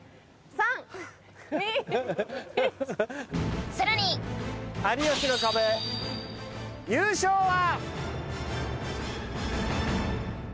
さらに『有吉の壁』優勝は。